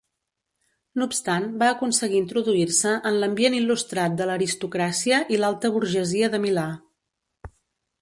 No obstant va aconseguir introduir-se en l'ambient il·lustrat de l'aristocràcia i l'alta burgesia de Milà.